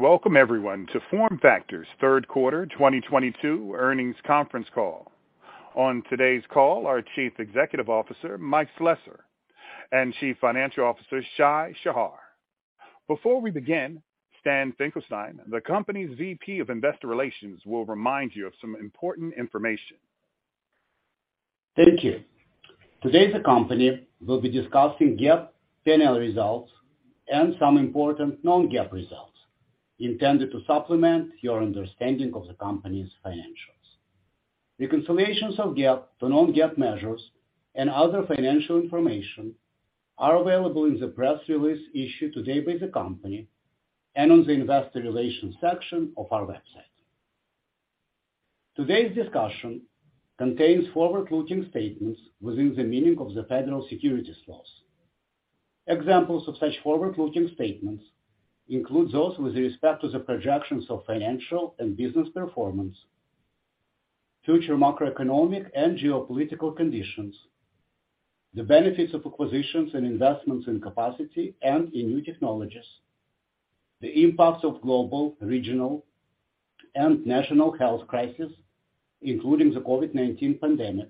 Welcome everyone to FormFactor's Third Quarter 2022 Earnings Conference Call. On today's call are Chief Executive Officer Mike Slessor and Chief Financial Officer Shai Shahar. Before we begin, Stan Finkelstein, the company's VP of Investor Relations, will remind you of some important information. Thank you. Today, the company will be discussing GAAP financial results and some important non-GAAP results intended to supplement your understanding of the company's financials. The reconciliations of GAAP to non-GAAP measures and other financial information are available in the press release issued today by the company and on the investor relations section of our website. Today's discussion contains forward-looking statements within the meaning of the federal securities laws. Examples of such forward-looking statements include those with respect to the projections of financial and business performance, future macroeconomic and geopolitical conditions, the benefits of acquisitions and investments in capacity and in new technologies, the impacts of global, regional, and national health crisis, including the COVID-19 pandemic,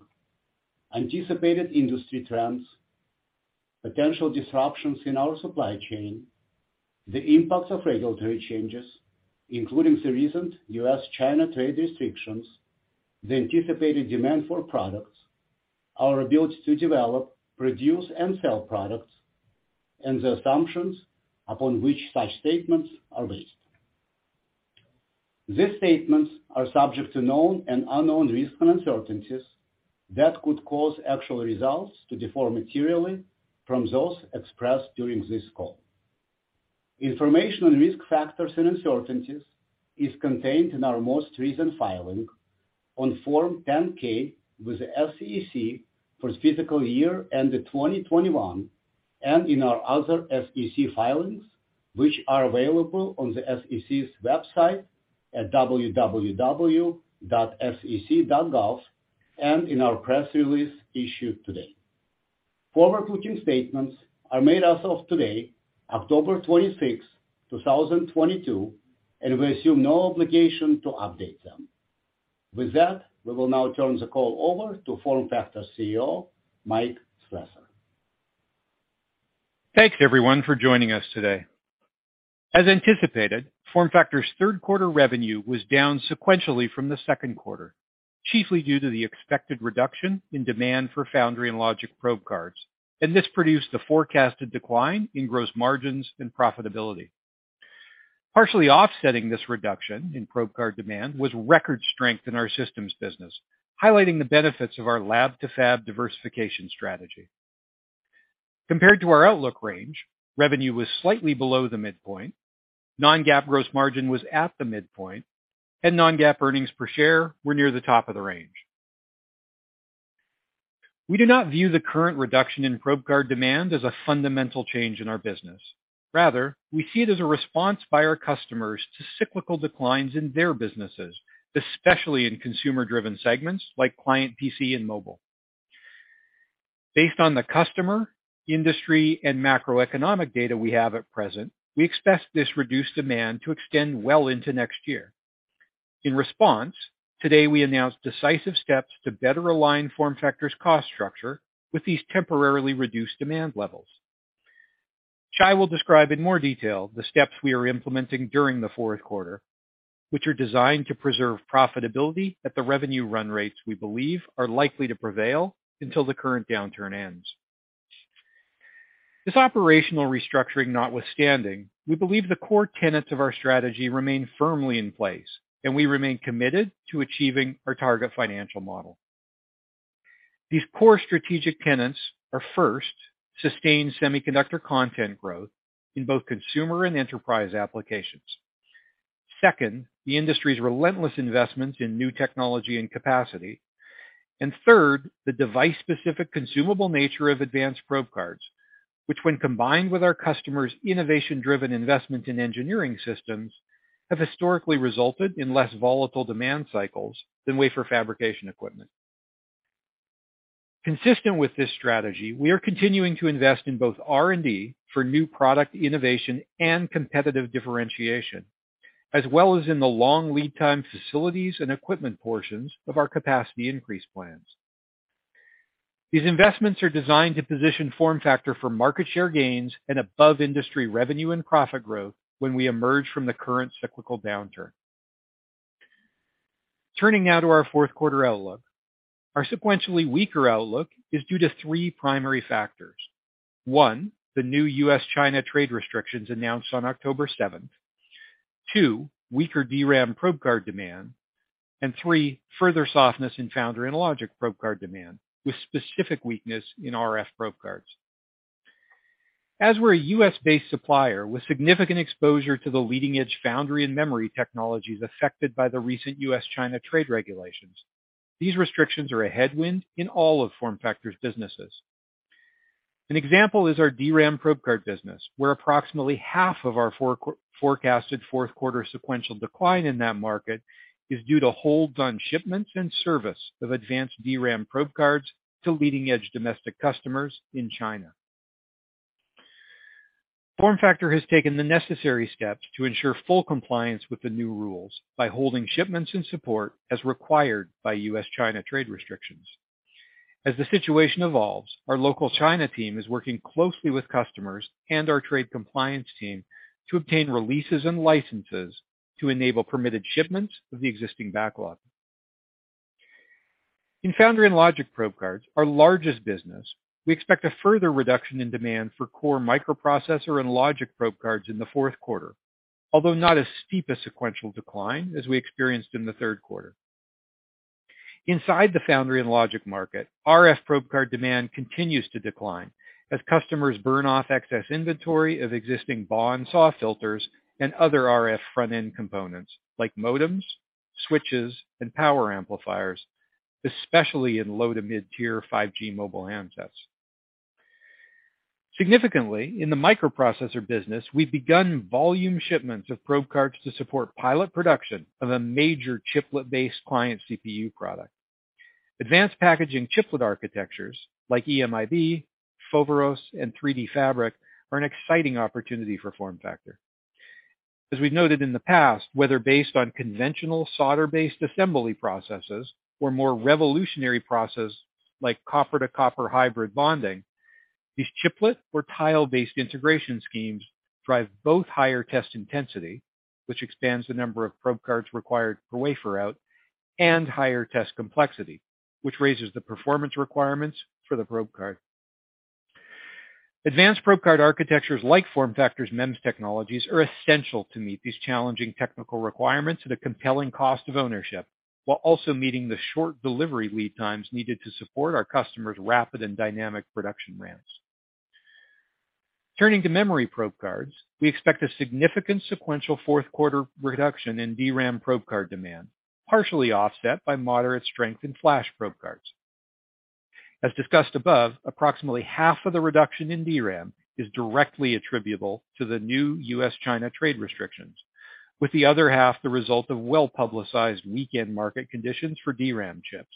anticipated industry trends, potential disruptions in our supply chain, the impacts of regulatory changes, including the recent U.S.-China trade restrictions, the anticipated demand for products, our ability to develop, produce, and sell products, and the assumptions upon which such statements are based. These statements are subject to known and unknown risks and uncertainties that could cause actual results to differ materially from those expressed during this call. Information on risk factors and uncertainties is contained in our most recent filing on Form 10-K with the SEC for its fiscal year end of 2021, and in our other SEC filings, which are available on the SEC's website at www.sec.gov, and in our press release issued today. Forward-looking statements are made as of today, October 26, 2022, and we assume no obligation to update them. With that, we will now turn the call over to FormFactor CEO, Mike Slessor. Thanks everyone for joining us today. As anticipated, FormFactor's third quarter revenue was down sequentially from the second quarter, chiefly due to the expected reduction in demand for foundry and logic probe cards, and this produced the forecasted decline in gross margins and profitability. Partially offsetting this reduction in probe card demand was record strength in our systems business, highlighting the benefits of our lab to fab diversification strategy. Compared to our outlook range, revenue was slightly below the midpoint, non-GAAP gross margin was at the midpoint, and non-GAAP earnings per share were near the top of the range. We do not view the current reduction in probe card demand as a fundamental change in our business. Rather, we see it as a response by our customers to cyclical declines in their businesses, especially in consumer-driven segments like client PC and mobile. Based on the customer, industry, and macroeconomic data we have at present, we expect this reduced demand to extend well into next year. In response, today, we announced decisive steps to better align FormFactor's cost structure with these temporarily reduced demand levels. Shai will describe in more detail the steps we are implementing during the fourth quarter, which are designed to preserve profitability at the revenue run rates we believe are likely to prevail until the current downturn ends. This operational restructuring notwithstanding, we believe the core tenets of our strategy remain firmly in place, and we remain committed to achieving our target financial model. These core strategic tenets are, first, sustained semiconductor content growth in both consumer and enterprise applications. Second, the industry's relentless investment in new technology and capacity. Third, the device-specific consumable nature of advanced probe cards, which when combined with our customers' innovation-driven investment in engineering systems, have historically resulted in less volatile demand cycles than wafer fabrication equipment. Consistent with this strategy, we are continuing to invest in both R&D for new product innovation and competitive differentiation, as well as in the long lead time facilities and equipment portions of our capacity increase plans. These investments are designed to position FormFactor for market share gains and above-industry revenue and profit growth when we emerge from the current cyclical downturn. Turning now to our fourth quarter outlook. Our sequentially weaker outlook is due to three primary factors. One, the new U.S.-China trade restrictions announced on October seventh. Two, weaker DRAM probe card demand. Three, further softness in foundry and logic probe card demand, with specific weakness in RF probe cards. As we're a U.S. based supplier with significant exposure to the leading-edge foundry and memory technologies affected by the recent U.S.-China trade regulations, these restrictions are a headwind in all of FormFactor's businesses. An example is our DRAM probe card business, where approximately half of our forecasted fourth quarter sequential decline in that market is due to holds on shipments and service of advanced DRAM probe cards to leading-edge domestic customers in China. FormFactor has taken the necessary steps to ensure full compliance with the new rules by holding shipments and support as required by U.S.-China trade restrictions. As the situation evolves, our local China team is working closely with customers and our trade compliance team to obtain releases and licenses to enable permitted shipments of the existing backlog. In foundry and logic probe cards, our largest business, we expect a further reduction in demand for core microprocessor and logic probe cards in the fourth quarter, although not as steep a sequential decline as we experienced in the third quarter. Inside the foundry and logic market, RF probe card demand continues to decline as customers burn off excess inventory of existing BAW and SAW filters and other RF front-end components like modems, switches, and power amplifiers, especially in low to mid-tier 5G mobile handsets. Significantly, in the microprocessor business, we've begun volume shipments of probe cards to support pilot production of a major chiplet-based client CPU product. Advanced packaging chiplet architectures like EMIB, Foveros, and 3D Fabric are an exciting opportunity for FormFactor. As we've noted in the past, whether based on conventional solder-based assembly processes or more revolutionary process like copper-to-copper hybrid bonding, these chiplet or tile-based integration schemes drive both higher test intensity, which expands the number of probe cards required per wafer out, and higher test complexity, which raises the performance requirements for the probe card. Advanced probe card architectures like FormFactor's MEMS technologies are essential to meet these challenging technical requirements at a compelling cost of ownership, while also meeting the short delivery lead times needed to support our customers' rapid and dynamic production ramps. Turning to memory probe cards, we expect a significant sequential fourth quarter reduction in DRAM probe card demand, partially offset by moderate strength in Flash probe cards. As discussed above, approximately half of the reduction in DRAM is directly attributable to the new US-China trade restrictions, with the other half the result of well-publicized weakened market conditions for DRAM chips,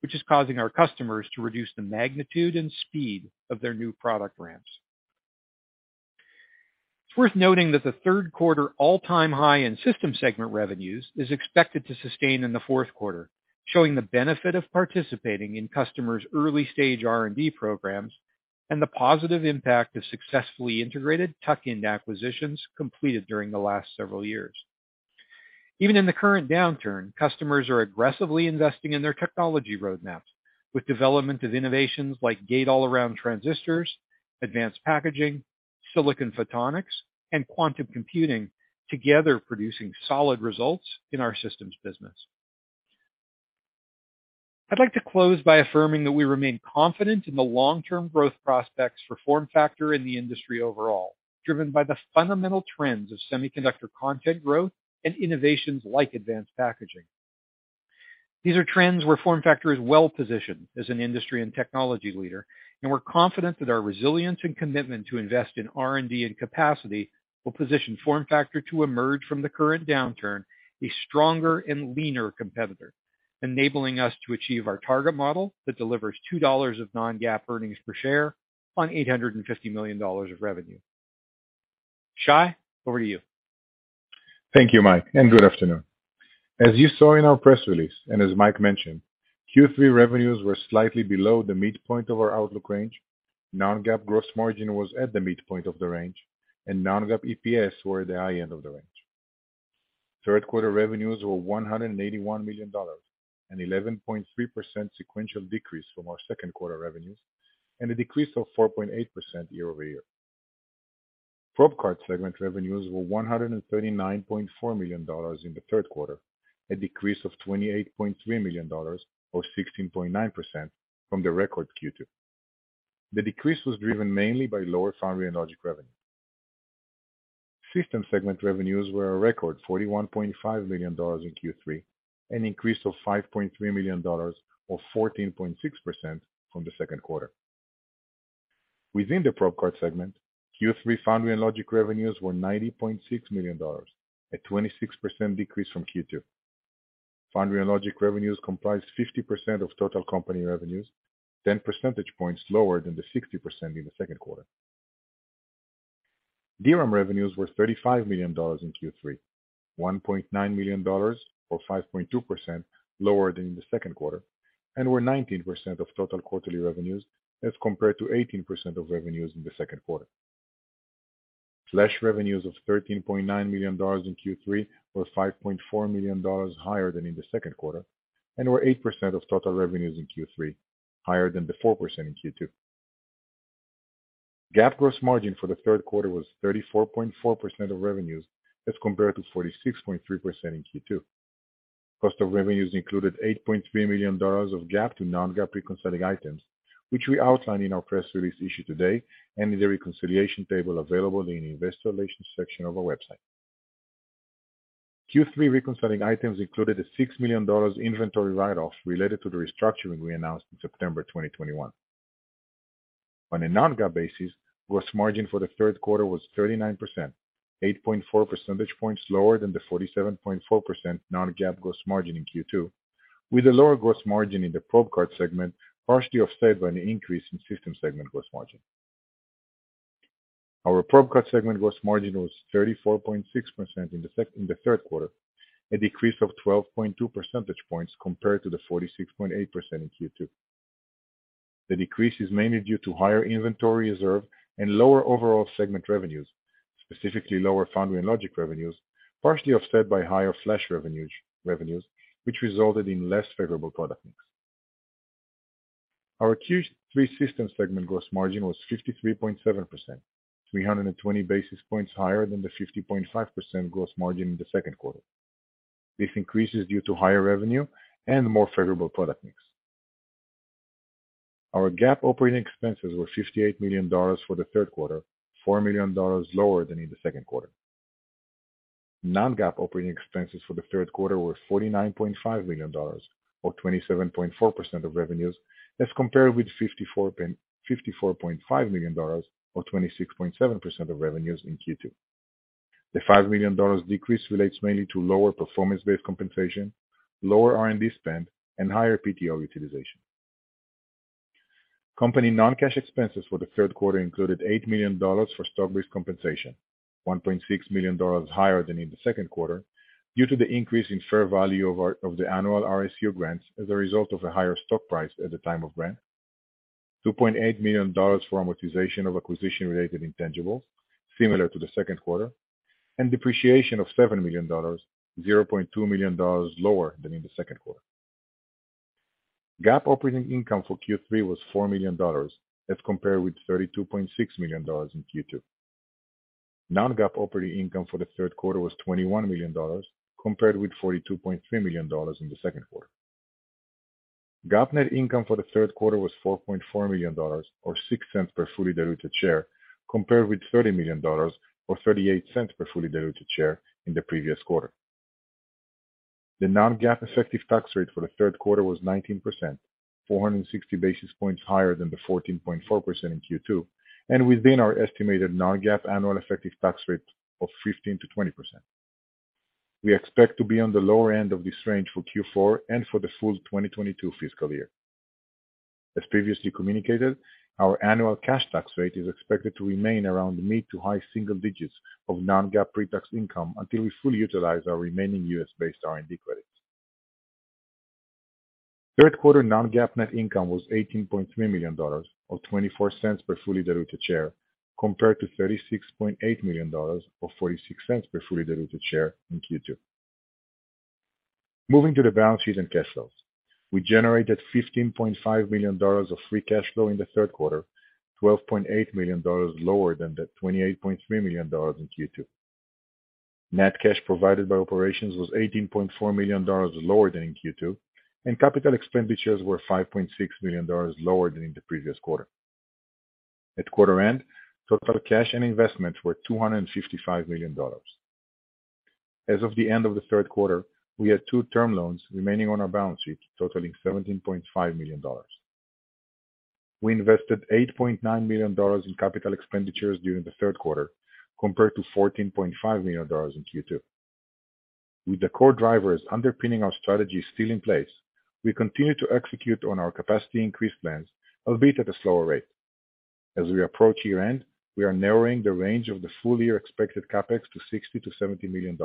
which is causing our customers to reduce the magnitude and speed of their new product ramps. It's worth noting that the third quarter all-time high in system segment revenues is expected to sustain in the fourth quarter, showing the benefit of participating in customers' early-stage R&D programs and the positive impact of successfully integrated tuck-in acquisitions completed during the last several years. Even in the current downturn, customers are aggressively investing in their technology roadmaps with development of innovations like Gate-All-Around transistors, advanced packaging, silicon photonics, and quantum computing together producing solid results in our systems business. I'd like to close by affirming that we remain confident in the long-term growth prospects for FormFactor and the industry overall, driven by the fundamental trends of semiconductor content growth and innovations like advanced packaging. These are trends where FormFactor is well-positioned as an industry and technology leader, and we're confident that our resilience and commitment to invest in R&D and capacity will position FormFactor to emerge from the current downturn a stronger and leaner competitor, enabling us to achieve our target model that delivers $2 of non-GAAP earnings per share on $850 million of revenue. Shai, over to you. Thank you, Mike, and good afternoon. As you saw in our press release, and as Mike mentioned, Q3 revenues were slightly below the midpoint of our outlook range. non-GAAP gross margin was at the midpoint of the range, and non-GAAP EPS were at the high end of the range. Third quarter revenues were $181 million, an 11.3% sequential decrease from our second quarter revenues, and a decrease of 4.8% year-over-year. Probe cards segment revenues were $139.4 million in the third quarter, a decrease of $28.3 million or 16.9% from the record Q2. The decrease was driven mainly by lower foundry and logic revenue. System segment revenues were a record $41.5 million in Q3, an increase of $5.3 million or 14.6% from the second quarter. Within the probe card segment, Q3 foundry and logic revenues were $90.6 million, a 26% decrease from Q2. Foundry and logic revenues comprise 50% of total company revenues, 10 percentage points lower than the 60% in the second quarter. DRAM revenues were $35 million in Q3, $1.9 million or 5.2% lower than in the second quarter, and were 19% of total quarterly revenues as compared to 18% of revenues in the second quarter. Flash revenues of $13.9 million in Q3 were $5.4 million higher than in the second quarter, and were 8% of total revenues in Q3, higher than the 4% in Q2. GAAP gross margin for the third quarter was 34.4% of revenues as compared to 46.3% in Q2. Cost of revenues included $8.3 million of GAAP to non-GAAP reconciling items, which we outlined in our press release issued today and in the reconciliation table available in the investor relations section of our website. Q3 reconciling items included a $6 million inventory write-offs related to the restructuring we announced in September 2021. On a non-GAAP basis, gross margin for the third quarter was 39%, 8.4 percentage points lower than the 47.4% non-GAAP gross margin in Q2. With a lower gross margin in the probe card segment, partially offset by an increase in system segment gross margin. Our probe card segment gross margin was 34.6% in the third quarter, a decrease of 12.2 percentage points compared to the 46.8% in Q2. The decrease is mainly due to higher inventory reserve and lower overall segment revenues, specifically lower foundry and logic revenues, partially offset by higher flash revenues, which resulted in less favorable product mix. Our Q3 systems segment gross margin was 53.7%, 320 basis points higher than the 50.5% gross margin in the second quarter. This increase is due to higher revenue and more favorable product mix. Our GAAP operating expenses were $58 million for the third quarter, $4 million lower than in the second quarter. non-GAAP operating expenses for the third quarter were $49.5 million or 27.4% of revenues as compared with $54.5 million or 26.7% of revenues in Q2. The $5 million decrease relates mainly to lower performance-based compensation, lower R&D spend, and higher PTO utilization. Company non-cash expenses for the third quarter included $8 million for stock-based compensation, $1.6 million higher than in the second quarter, due to the increase in fair value of the annual RSU grants as a result of a higher stock price at the time of grant. $2.8 million for amortization of acquisition-related intangibles, similar to the second quarter, and depreciation of $7 million, $0.2 million lower than in the second quarter. GAAP operating income for Q3 was $4 million as compared with $32.6 million in Q2. non-GAAP operating income for the third quarter was $21 million, compared with $42.3 million in the second quarter. GAAP net income for the third quarter was $4.4 million, or $0.06 per fully diluted share, compared with $30 million or $0.38 per fully diluted share in the previous quarter. The non-GAAP effective tax rate for the third quarter was 19%, 460 basis points higher than the 14.4% in Q2, and within our estimated non-GAAP annual effective tax rate of 15%-20%. We expect to be on the lower end of this range for Q4 and for the full 2022 fiscal year. As previously communicated, our annual cash tax rate is expected to remain around mid to high single digits of non-GAAP pre-tax income until we fully utilize our remaining U.S.-based R&D credits. Third quarter non-GAAP net income was $18.3 million, or $0.24 per fully diluted share, compared to $36.8 million or $0.46 per fully diluted share in Q2. Moving to the balance sheet and cash flows. We generated $15.5 million of free cash flow in the third quarter, $12.8 million lower than the $28.3 million in Q2. Net cash provided by operations was $18.4 million lower than in Q2, and capital expenditures were $5.6 million lower than in the previous quarter. At quarter end, total cash and investments were $255 million. As of the end of the third quarter, we had two term loans remaining on our balance sheet, totaling $17.5 million. We invested $8.9 million in capital expenditures during the third quarter, compared to $14.5 million in Q2. With the core drivers underpinning our strategy still in place, we continue to execute on our capacity increase plans, albeit at a slower rate. As we approach year-end, we are narrowing the range of the full year expected CapEx to $60-$70 million.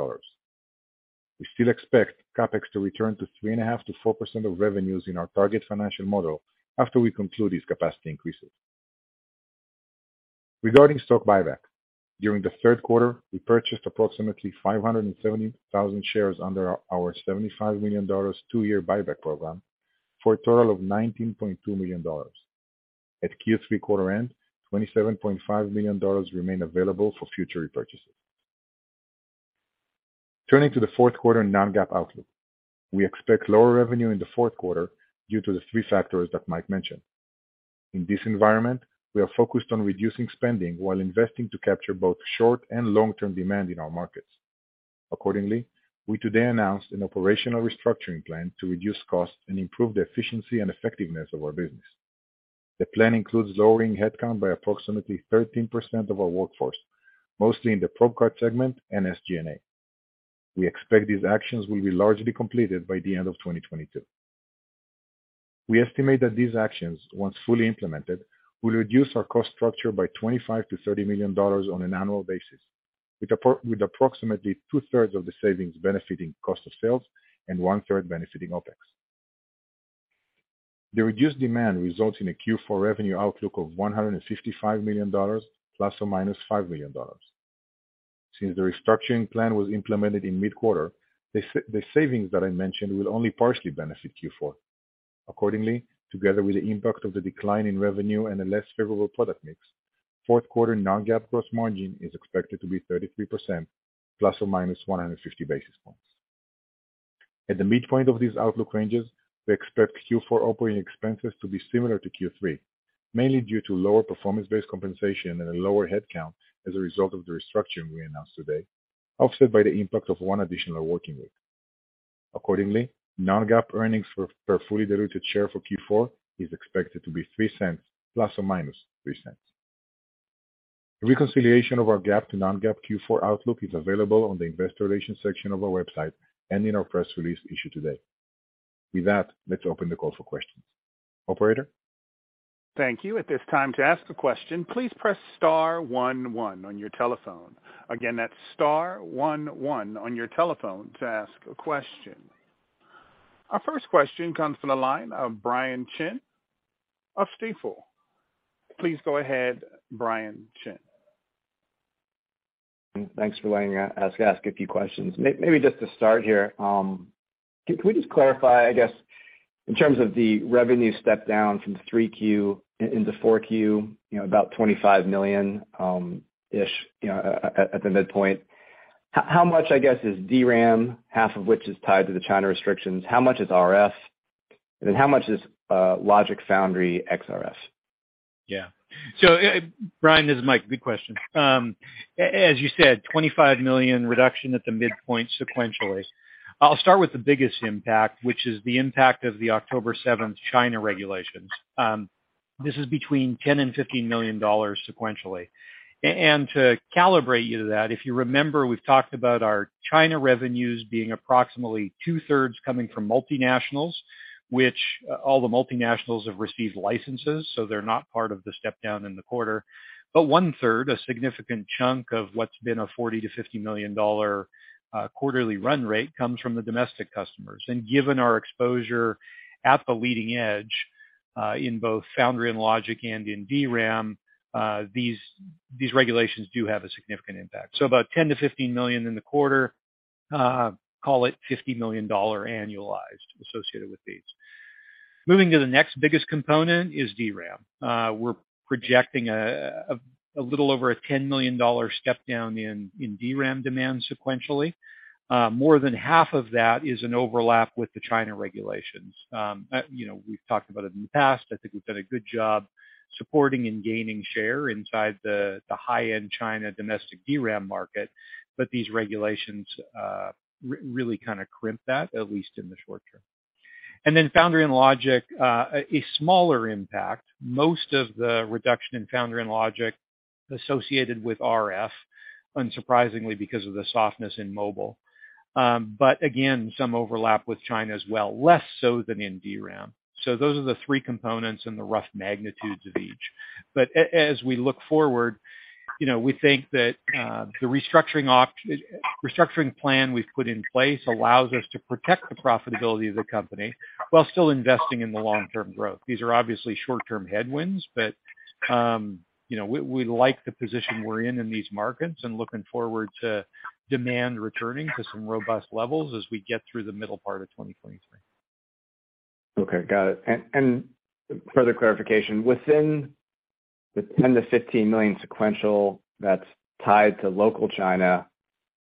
We still expect CapEx to return to 3.5%-4% of revenues in our target financial model after we conclude these capacity increases. Regarding stock buyback, during the third quarter, we purchased approximately 570,000 shares under our $75 million two-year buyback program for a total of $19.2 million. At Q3 quarter end, $27.5 million remain available for future repurchases. Turning to the fourth quarter non-GAAP outlook. We expect lower revenue in the fourth quarter due to the three factors that Mike mentioned. In this environment, we are focused on reducing spending while investing to capture both short and long-term demand in our markets. Accordingly, we today announced an operational restructuring plan to reduce costs and improve the efficiency and effectiveness of our business. The plan includes lowering headcount by approximately 13% of our workforce, mostly in the probe card segment and SG&A. We expect these actions will be largely completed by the end of 2022. We estimate that these actions, once fully implemented, will reduce our cost structure by $25 million-$30 million on an annual basis, with approximately two-thirds of the savings benefiting cost of sales and one-third benefiting OpEx. The reduced demand results in a Q4 revenue outlook of $155 million ±$5 million. Since the restructuring plan was implemented in mid-quarter, the savings that I mentioned will only partially benefit Q4. Accordingly, together with the impact of the decline in revenue and a less favorable product mix, fourth quarter non-GAAP gross margin is expected to be 33% ±150 basis points. At the midpoint of these outlook ranges, we expect Q4 operating expenses to be similar to Q3, mainly due to lower performance-based compensation and a lower headcount as a result of the restructuring we announced today, offset by the impact of one additional working week. Accordingly, non-GAAP earnings per fully diluted share for Q4 is expected to be $0.03 ± $0.03. The reconciliation of our GAAP to non-GAAP Q4 outlook is available on the investor relations section of our website and in our press release issued today. With that, let's open the call for questions. Operator? Thank you. At this time, to ask a question, please press star one one on your telephone. Again, that's star one one on your telephone to ask a question. Our first question comes from the line of Brian Chin of Stifel. Please go ahead, Brian Chin. Thanks for letting us ask a few questions. Maybe just to start here, can we just clarify, I guess, in terms of the revenue step down from 3Q into 4Q, you know, about $25 million-ish, you know, at the midpoint. How much, I guess, is DRAM, half of which is tied to the China restrictions? How much is RF? And how much is logic foundry XRS? Yeah. Brian, this is Mike. Good question. As you said, $25 million reduction at the midpoint sequentially. I'll start with the biggest impact, which is the impact of the October 7 China regulations. This is between $10-$15 million sequentially. And to calibrate you to that, if you remember, we've talked about our China revenues being approximately two-thirds coming from multinationals, which all the multinationals have received licenses, so they're not part of the step down in the quarter. But one-third, a significant chunk of what's been a $40-$50 million quarterly run rate, comes from the domestic customers. And given our exposure at the leading edge, in both foundry and logic and in DRAM, these regulations do have a significant impact. About $10 million-$15 million in the quarter, call it $50 million annualized associated with these. Moving to the next biggest component is DRAM. We're projecting a little over a $10 million step down in DRAM demand sequentially. More than half of that is an overlap with the China regulations. You know, we've talked about it in the past. I think we've done a good job supporting and gaining share inside the high-end China domestic DRAM market. These regulations really kinda crimp that, at least in the short term. Foundry and logic, a smaller impact, most of the reduction in foundry and logic associated with RF, unsurprisingly because of the softness in mobile. Again, some overlap with China as well, less so than in DRAM. Those are the three components and the rough magnitudes of each. As we look forward, you know, we think that the restructuring plan we've put in place allows us to protect the profitability of the company while still investing in the long-term growth. These are obviously short-term headwinds, but you know, we like the position we're in in these markets and looking forward to demand returning to some robust levels as we get through the middle part of 2023. Okay, got it. Further clarification, within the $10 million-$15 million sequential that's tied to local China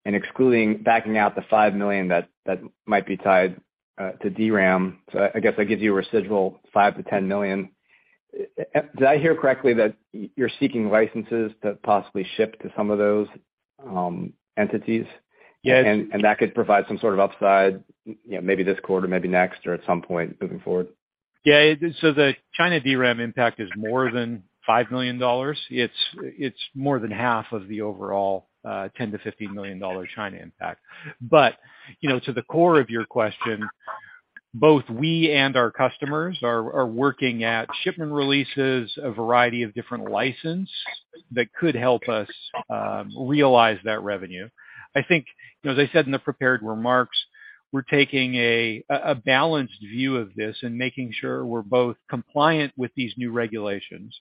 and excluding backing out the $5 million that might be tied to DRAM. I guess that gives you a residual $5 million-$10 million. Did I hear correctly that you're seeking licenses to possibly ship to some of those entities? Yes. that could provide some sort of upside, you know, maybe this quarter, maybe next, or at some point moving forward. Yeah. The China DRAM impact is more than $5 million. It's more than half of the overall $10-$15 million China impact. You know, to the core of your question, both we and our customers are working on shipment releases, a variety of different licenses that could help us realize that revenue. I think, you know, as I said in the prepared remarks, we're taking a balanced view of this and making sure we're both compliant with these new regulations,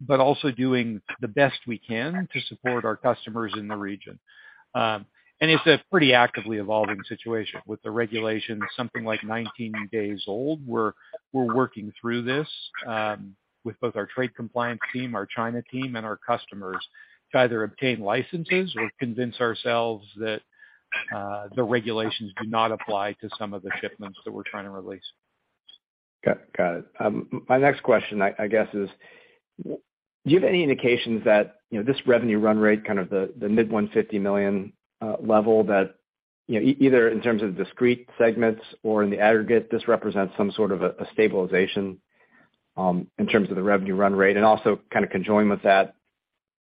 but also doing the best we can to support our customers in the region. It's a pretty actively evolving situation with the regulations, something like 19 days old. We're working through this with both our trade compliance team, our China team, and our customers to either obtain licenses or convince ourselves that the regulations do not apply to some of the shipments that we're trying to release. Got it. My next question, I guess, is do you have any indications that, you know, this revenue run rate, kind of the mid $150 million level that, you know, either in terms of discrete segments or in the aggregate, this represents some sort of a stabilization in terms of the revenue run rate? Also kind of conjoined with that,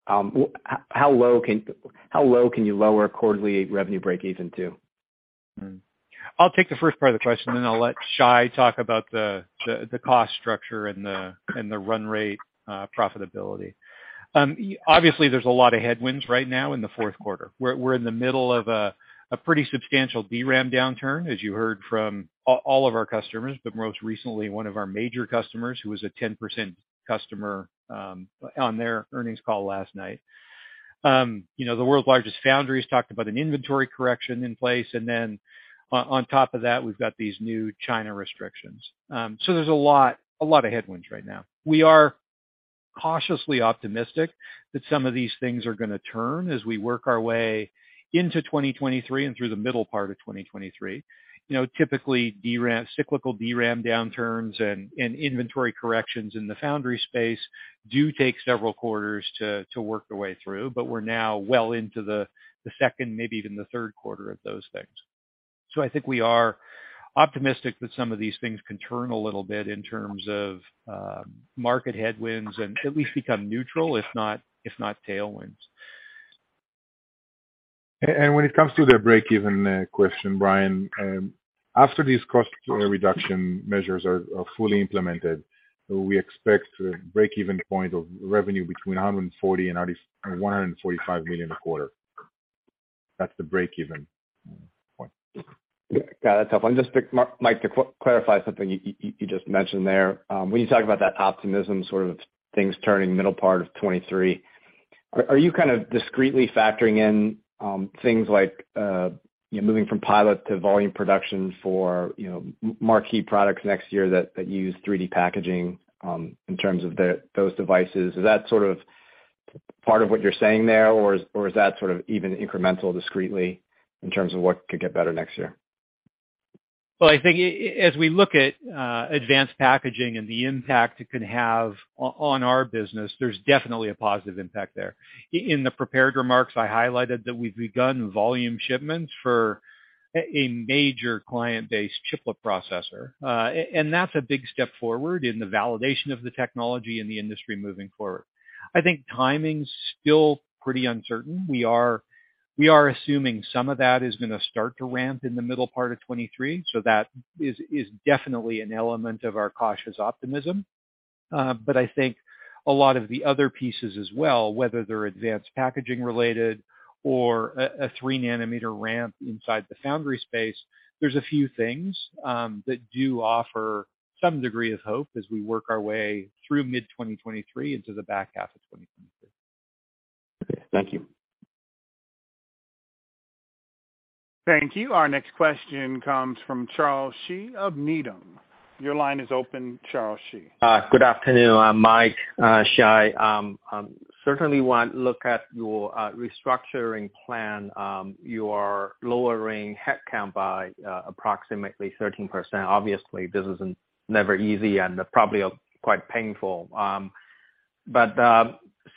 how low can you lower quarterly revenue break-even to? I'll take the first part of the question, then I'll let Shai talk about the cost structure and the run rate, profitability. Obviously there's a lot of headwinds right now in the fourth quarter. We're in the middle of a pretty substantial DRAM downturn, as you heard from all of our customers, but most recently one of our major customers who was a 10% customer, on their earnings call last night. You know, the world's largest foundry has talked about an inventory correction in place, and then on top of that, we've got these new China restrictions. There's a lot of headwinds right now. We are cautiously optimistic that some of these things are gonna turn as we work our way into 2023 and through the middle part of 2023. You know, typically DRAM cyclical DRAM downturns and inventory corrections in the foundry space do take several quarters to work their way through, but we're now well into the second, maybe even the third quarter of those things. I think we are optimistic that some of these things can turn a little bit in terms of market headwinds and at least become neutral, if not tailwinds. When it comes to the break-even question, Brian, after these cost reduction measures are fully implemented, we expect a break-even point of revenue between $140 million and $145 million a quarter. That's the break-even point. Got it. That's helpful. Just to Mike, to clarify something you just mentioned there, when you talk about that optimism sort of things turning middle part of 2023, are you kind of discreetly factoring in things like, you know, moving from pilot to volume production for, you know, marquee products next year that use 3D packaging in terms of those devices? Is that sort of part of what you're saying there, or is that sort of even incremental discreetly in terms of what could get better next year? Well, I think as we look at advanced packaging and the impact it can have on our business, there's definitely a positive impact there. In the prepared remarks, I highlighted that we've begun volume shipments for a major client-based chiplet processor. That's a big step forward in the validation of the technology and the industry moving forward. I think timing's still pretty uncertain. We are assuming some of that is gonna start to ramp in the middle part of 2023, so that is definitely an element of our cautious optimism. I think a lot of the other pieces as well, whether they're advanced packaging-related or a 3 nm ramp inside the foundry space, there's a few things that do offer some degree of hope as we work our way through mid-2023 into the back half of 2023. Okay. Thank you. Thank you. Our next question comes from Charles Shi of Needham. Your line is open, Charles Shi. Good afternoon, Mike, Shai. Certainly one look at your restructuring plan, you are lowering headcount by approximately 13%. Obviously, this is never easy and probably quite painful.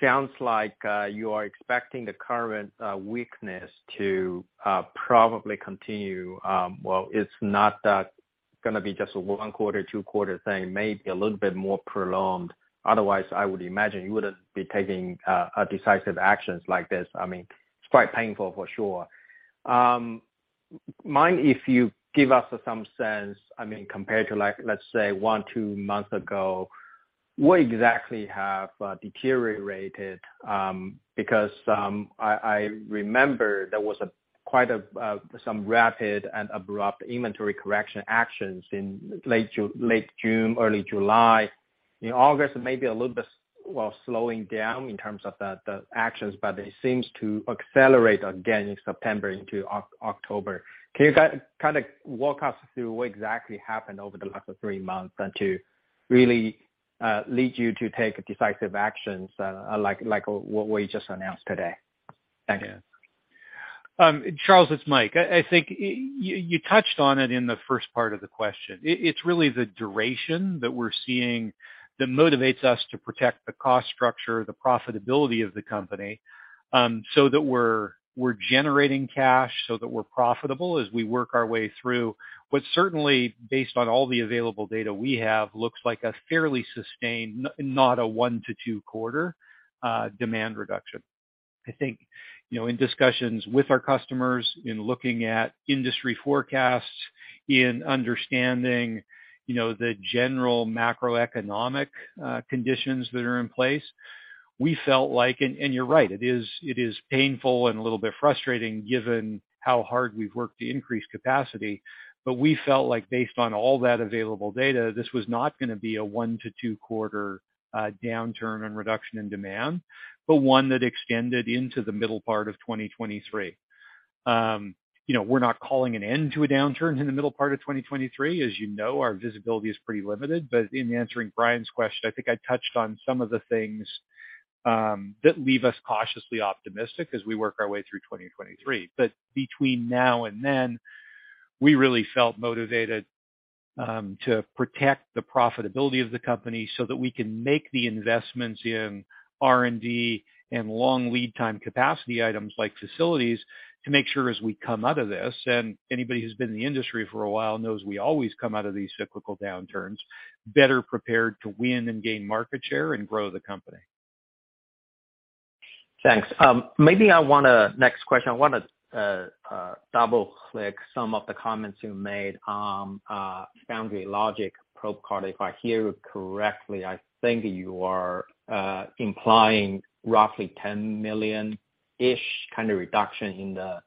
Sounds like you are expecting the current weakness to probably continue. Well, it's not gonna be just a one quarter, two quarter thing, maybe a little bit more prolonged. Otherwise, I would imagine you wouldn't be taking decisive actions like this. I mean, it's quite painful for sure. Mind if you give us some sense, I mean, compared to like let's say one, two months ago, what exactly have deteriorated? Because I remember there was quite some rapid and abrupt inventory correction actions in late June, early July. In August, maybe a little bit, well, slowing down in terms of the actions, but it seems to accelerate again in September into October. Can you kinda walk us through what exactly happened over the last three months and to really lead you to take decisive actions, like what we just announced today? Thank you. Yeah. Charles, it's Mike. I think you touched on it in the first part of the question. It's really the duration that we're seeing that motivates us to protect the cost structure, the profitability of the company, so that we're generating cash so that we're profitable as we work our way through what's certainly based on all the available data we have, looks like a fairly sustained, not a one to two quarter demand reduction. I think, you know, in discussions with our customers, in looking at industry forecasts, in understanding, you know, the general macroeconomic conditions that are in place, we felt like. You're right, it is painful and a little bit frustrating given how hard we've worked to increase capacity. We felt like based on all that available data, this was not gonna be a one to two quarter downturn and reduction in demand, but one that extended into the middle part of 2023. You know, we're not calling an end to a downturn in the middle part of 2023. As you know, our visibility is pretty limited. In answering Brian's question, I think I touched on some of the things that leave us cautiously optimistic as we work our way through 2023. Between now and then, we really felt motivated to protect the profitability of the company so that we can make the investments in R&D and long lead time capacity items like facilities to make sure as we come out of this, and anybody who's been in the industry for a while knows we always come out of these cyclical downturns, better prepared to win and gain market share and grow the company. Thanks. Maybe next question. I wanna double-click some of the comments you made on Foundry Logic probe card. If I hear you correctly, I think you are implying roughly $10 million-ish kind of reduction in the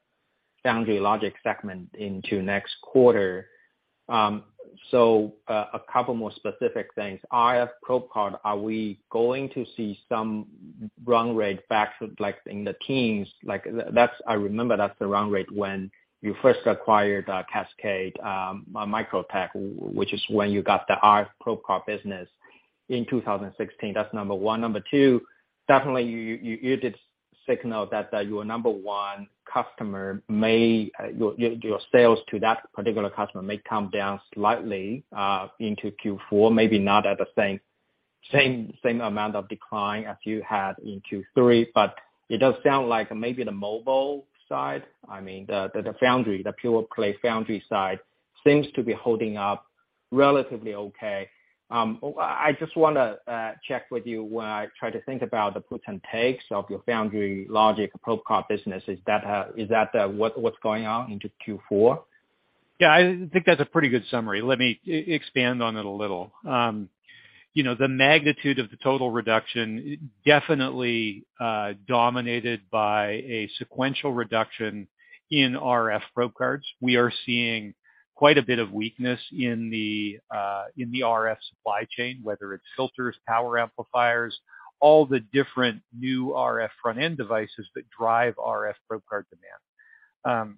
Foundry Logic segment into next quarter. So, a couple more specific things. RF probe card, are we going to see some run rate back, like, in the teens? Like, that's the run rate when you first acquired Cascade Microtech, which is when you got the RF probe card business in 2016. That's number one. Number two, definitely you did signal that, your number one customer may, your sales to that particular customer may come down slightly, into Q4, maybe not at the same amount of decline as you had in Q3, but it does sound like maybe the mobile side, I mean the foundry, the pure play foundry side seems to be holding up relatively okay. I just want to check with you when I try to think about the puts and takes of your foundry logic probe card business. Is that what is going on into Q4? Yeah, I think that's a pretty good summary. Let me expand on it a little. You know, the magnitude of the total reduction definitely dominated by a sequential reduction in RF probe cards. We are seeing quite a bit of weakness in the RF supply chain, whether it's filters, power amplifiers, all the different new RF front-end devices that drive RF probe card demand.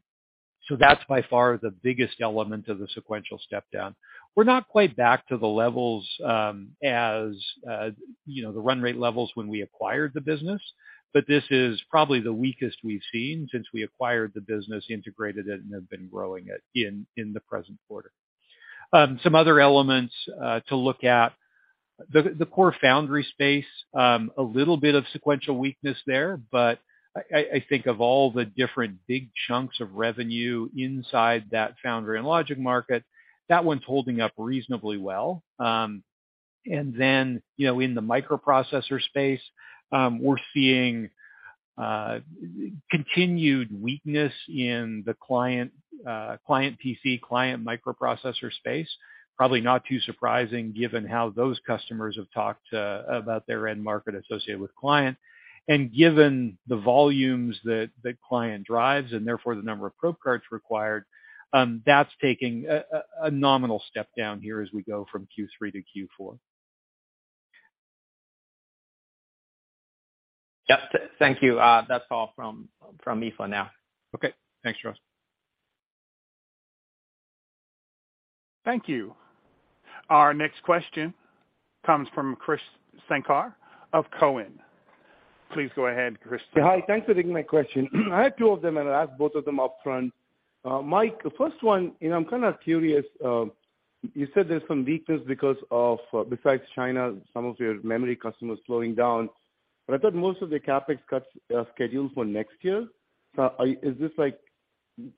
So that's by far the biggest element of the sequential step down. We're not quite back to the levels, as you know, the run rate levels when we acquired the business. But this is probably the weakest we've seen since we acquired the business, integrated it, and have been growing it in the present quarter. Some other elements to look at. The core foundry space, a little bit of sequential weakness there, but I think of all the different big chunks of revenue inside that foundry and logic market, that one's holding up reasonably well. You know, in the microprocessor space, we're seeing continued weakness in the client PC, client microprocessor space. Probably not too surprising given how those customers have talked about their end market associated with client. Given the volumes that client drives, and therefore the number of probe cards required, that's taking a nominal step down here as we go from Q3 to Q4. Yeah. Thank you. That's all from me for now. Okay. Thanks, Shi. Thank you. Our next question comes from Krish Sankar of TD Cowen. Please go ahead, Krish. Hi. Thanks for taking my question. I have two of them, and I'll ask both of them up front. Mike, the first one, you know, I'm kind of curious, you said there's some weakness because of, besides China, some of your memory customers slowing down. I thought most of the CapEx cuts are scheduled for next year. Is this like,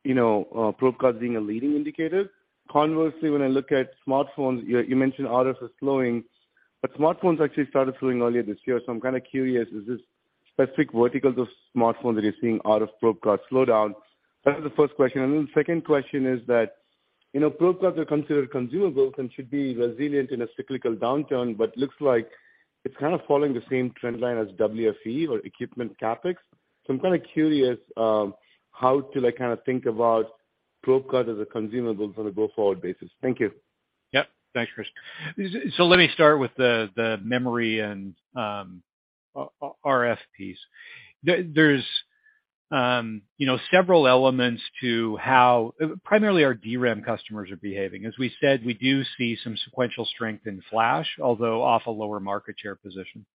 you know, probe cards being a leading indicator? Conversely, when I look at smartphones, you mentioned RF is slowing, but smartphones actually started slowing earlier this year. I'm kind of curious, is this specific verticals of smartphones that you're seeing out of probe cards slow down? That's the first question. The second question is that, you know, probe cards are considered consumables and should be resilient in a cyclical downturn, but looks like it's kind of following the same trend line as WFE or equipment CapEx. I'm kind of curious, how to, like, kind of think about probe cards as a consumable on a go-forward basis. Thank you. Yeah. Thanks, Krish. Let me start with the memory and RF piece. There's you know several elements to how primarily our DRAM customers are behaving. As we said, we do see some sequential strength in flash, although off a lower market share position.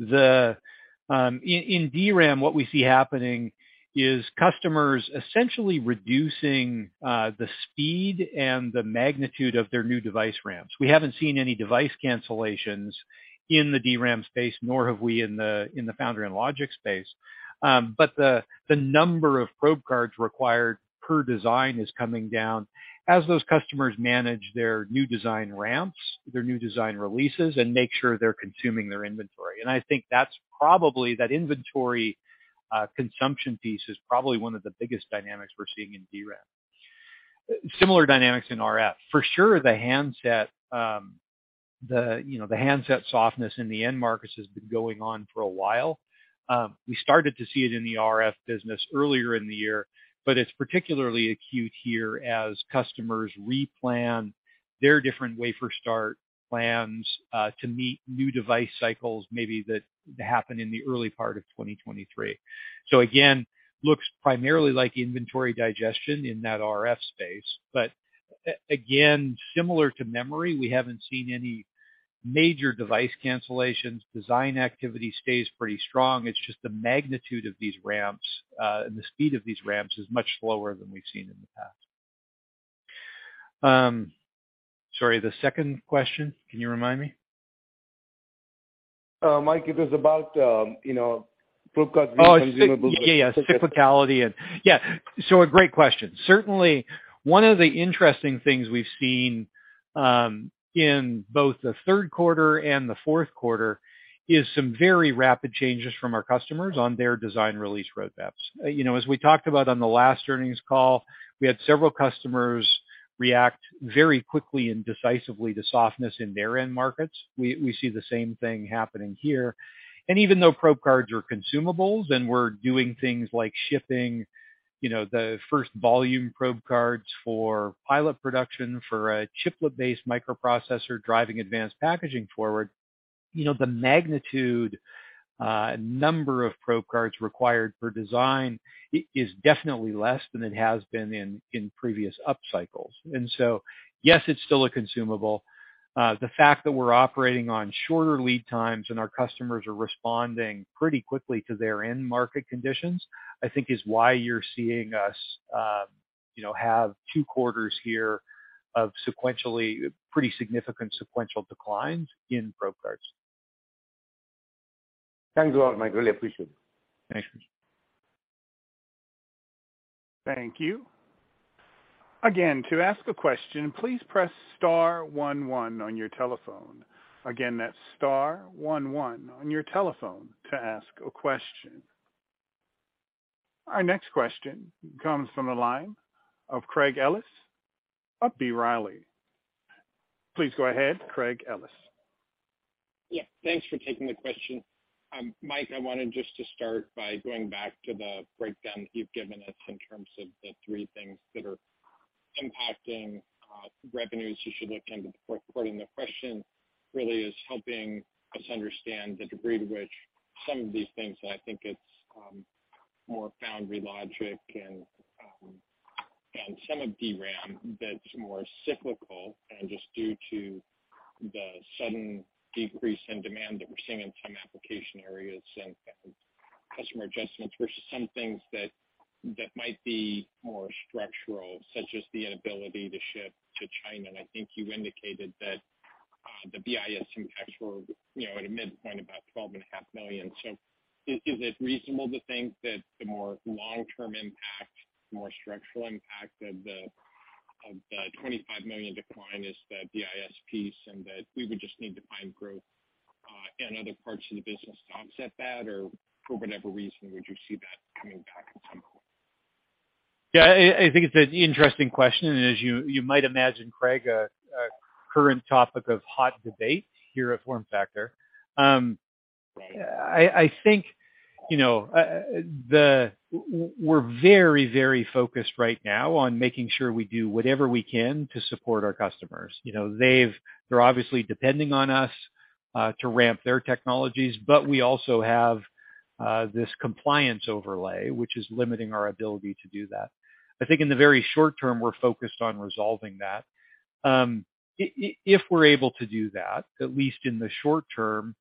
In DRAM, what we see happening is customers essentially reducing the speed and the magnitude of their new device ramps. We haven't seen any device cancellations in the DRAM space, nor have we in the foundry and logic space. But the number of probe cards required per design is coming down as those customers manage their new design ramps, their new design releases, and make sure they're consuming their inventory. I think that's probably the inventory consumption piece is probably one of the biggest dynamics we're seeing in DRAM. Similar dynamics in RF. For sure, the handset, you know, the handset softness in the end markets has been going on for a while. We started to see it in the RF business earlier in the year, but it's particularly acute here as customers replan their different wafer start plans to meet new device cycles maybe that happen in the early part of 2023. Again, looks primarily like inventory digestion in that RF space. But again, similar to memory, we haven't seen any major device cancellations. Design activity stays pretty strong. It's just the magnitude of these ramps and the speed of these ramps is much slower than we've seen in the past. Sorry, the second question, can you remind me? Mike, it was about, you know, probe cards being consumables. Oh, yeah. So a great question. Certainly, one of the interesting things we've seen in both the third quarter and the fourth quarter is some very rapid changes from our customers on their design release roadmaps. You know, as we talked about on the last earnings call, we had several customers react very quickly and decisively to softness in their end markets. We see the same thing happening here. Even though probe cards are consumables and we're doing things like shifting, you know, the first volume probe cards for pilot production for a chiplet-based microprocessor driving advanced packaging forward, you know, the magnitude, number of probe cards required per design is definitely less than it has been in previous up cycles. Yes, it's still a consumable. The fact that we're operating on shorter lead times and our customers are responding pretty quickly to their end market conditions, I think is why you're seeing us, you know, have two quarters here of sequentially pretty significant sequential declines in probe cards. Thanks a lot, Mike. Really appreciate it. Thanks. Thank you. Again, to ask a question, please press star one one on your telephone. Again, that's star one one on your telephone to ask a question. Our next question comes from the line of Craig Ellis of B. Riley. Please go ahead, Craig Ellis. Yeah, thanks for taking the question. Mike, I wanted just to start by going back to the breakdown that you've given us in terms of the three things that are impacting revenues as you look into the fourth quarter. The question really is helping us understand the degree to which some of these things, and I think it's more foundry logic and some of DRAM that's more cyclical and just due to the sudden decrease in demand that we're seeing in some application areas and customer adjustments versus some things that might be more structural, such as the inability to ship to China. I think you indicated that the BIS impacts were, you know, at a midpoint about $12.5 million. Is it reasonable to think that the more long-term impact, the more structural impact of the $25 million decline is the BIS piece, and that we would just need to find growth in other parts of the business to offset that? For whatever reason, would you see that coming back at some point? Yeah. I think it's an interesting question, and as you might imagine, Craig, a current topic of hot debate here at FormFactor. I think, you know, we're very focused right now on making sure we do whatever we can to support our customers. You know, they're obviously depending on us to ramp their technologies, but we also have this compliance overlay, which is limiting our ability to do that. I think in the very short term, we're focused on resolving that. If we're able to do that, at least in the short term,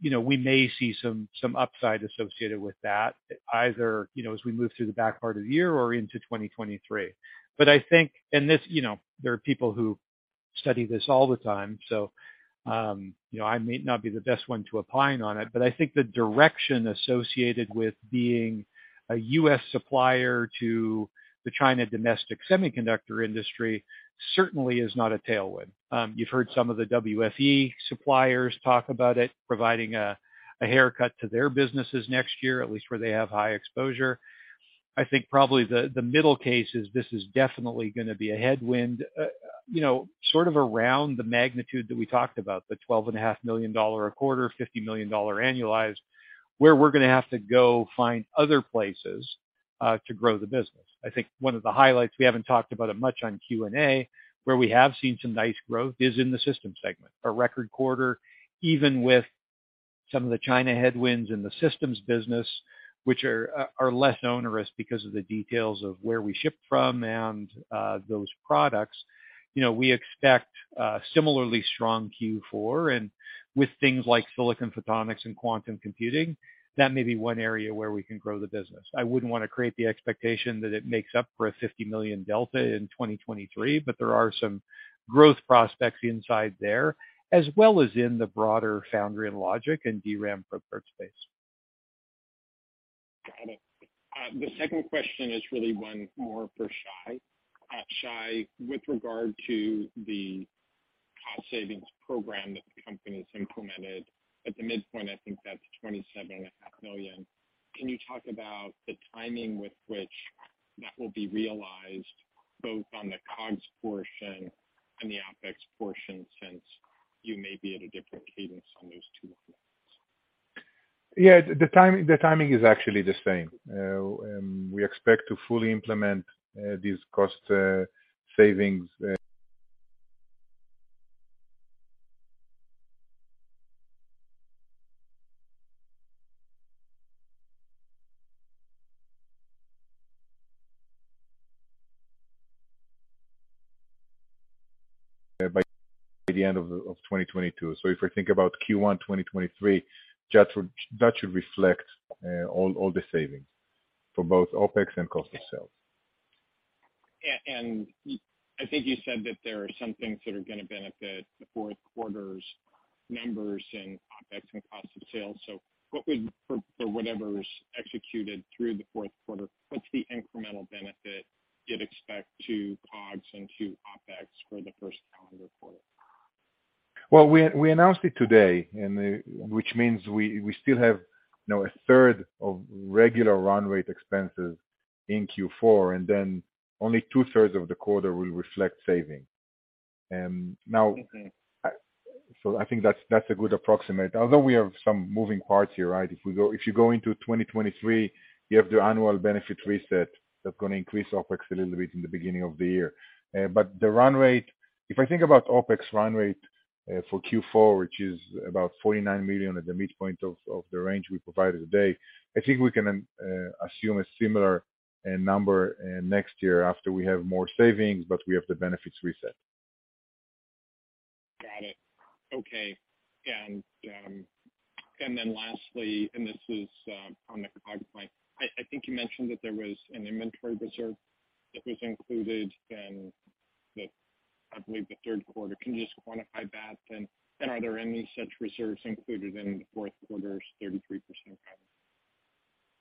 you know, we may see some upside associated with that, either you know as we move through the back part of the year or into 2023. I think and this, you know, there are people who study this all the time, so, you know, I may not be the best one to opine on it, but I think the direction associated with being a U.S. supplier to the China domestic semiconductor industry certainly is not a tailwind. You've heard some of the WFE suppliers talk about it, providing a haircut to their businesses next year, at least where they have high exposure. I think probably the middle case is this is definitely gonna be a headwind, you know, sort of around the magnitude that we talked about, the $12.5 million a quarter, $50 million annualized, where we're gonna have to go find other places to grow the business. I think one of the highlights, we haven't talked about it much on Q&A, where we have seen some nice growth is in the systems segment. A record quarter, even with some of the China headwinds in the systems business, which are less onerous because of the details of where we ship from and those products. You know, we expect a similarly strong Q4, and with things like silicon photonics and quantum computing, that may be one area where we can grow the business. I wouldn't wanna create the expectation that it makes up for a $50 million delta in 2023, but there are some growth prospects inside there, as well as in the broader foundry and logic and DRAM probe card space. Got it. The second question is really one more for Shai. Shai, with regard to the cost savings program that the company's implemented, at the midpoint, I think that's $27.5 million. Can you talk about the timing with which that will be realized both on the COGS portion and the OpEx portion, since you may be at a different cadence on those two components? Yeah. The timing is actually the same. We expect to fully implement these cost savings by the end of 2022. If we think about Q1 2023, that should reflect all the savings for both OpEx and cost of sales. I think you said that there are some things that are gonna benefit the fourth quarter's numbers in OpEx and cost of sales. For whatever is executed through the fourth quarter, what's the incremental benefit you'd expect to COGS and to OpEx for the First Calendar Quarter? Well, we announced it today. Which means we still have, you know, a third of regular run rate expenses in Q4, and then only two-thirds of the quarter will reflect savings. Now Okay. I think that's a good approximation. Although we have some moving parts here, right? If you go into 2023, you have the annual benefit reset that's gonna increase OpEx a little bit in the beginning of the year. But the run rate, if I think about OpEx run rate, for Q4, which is about $49 million at the midpoint of the range we provided today, I think we can assume a similar number next year after we have more savings, but we have the benefits reset. Okay. Then lastly, I think you mentioned that there was an inventory reserve that was included in the third quarter, I believe. Can you just quantify that then? Are there any such reserves included in the fourth quarter's 33% guidance?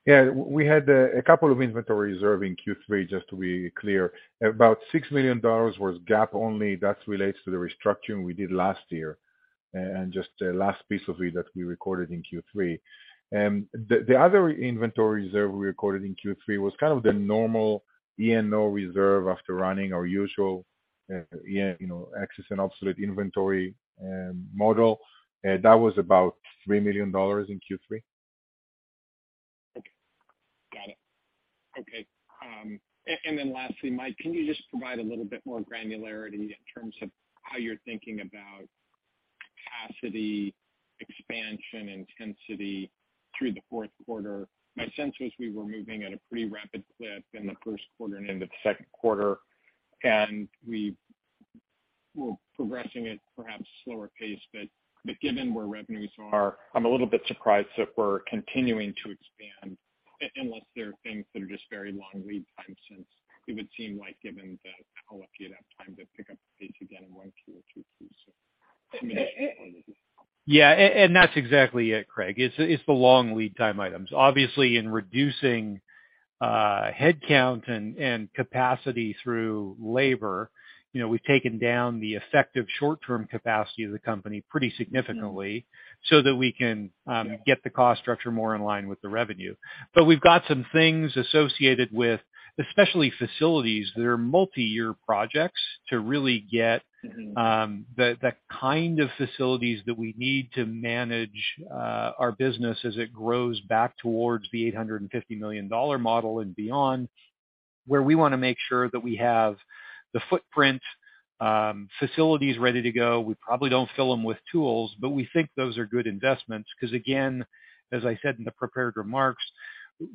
Yeah. We had a couple of inventory reserve in Q3, just to be clear. About $6 million was GAAP only. That relates to the restructuring we did last year, and just the last piece of it that we recorded in Q3. The other inventory reserve we recorded in Q3 was kind of the normal E&O reserve after running our usual, you know, excess and obsolete inventory model. That was about $3 million in Q3. Okay. Got it. Okay. Then lastly, Mike, can you just provide a little bit more granularity in terms of how you're thinking about capacity, expansion, intensity through the fourth quarter? My sense was we were moving at a pretty rapid clip in the first quarter and into the second quarter, and we were progressing at perhaps slower pace. But given where revenues are, I'm a little bit surprised that we're continuing to expand, unless there are things that are just very long lead time, since it would seem like given how quickly you'd have time to pick up the pace again in Q2 or Q3. Just wanted to. Yeah. That's exactly it, Craig. It's the long lead time items. Obviously, in reducing headcount and capacity through labor, you know, we've taken down the effective short-term capacity of the company pretty significantly so that we can get the cost structure more in line with the revenue. But we've got some things associated with, especially facilities that are multi-year projects to really get the kind of facilities that we need to manage our business as it grows back towards the $850 million model and beyond, where we wanna make sure that we have the footprint facilities ready to go. We probably don't fill them with tools, but we think those are good investments, because again, as I said in the prepared